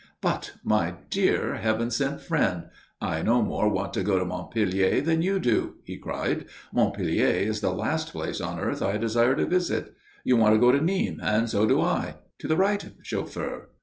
"But, my dear, heaven sent friend, I no more want to go to Montpellier than you do!" he cried. "Montpellier is the last place on earth I desire to visit. You want to go to Nîmes, and so do I. To the right, chauffeur."